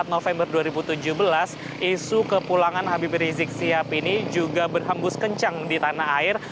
empat november dua ribu tujuh belas isu kepulangan habib rizik sihab ini juga berhembus kencang di tanah air